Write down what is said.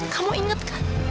kamu inget kan